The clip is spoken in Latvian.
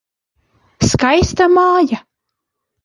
Skaista māja.